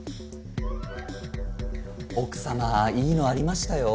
奥様いいのありましたよ。